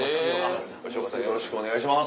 吉岡さんよろしくお願いします。